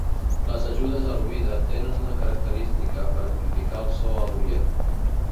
Les ajudes a l'oïda tenen una característica per amplificar el so a l'oient.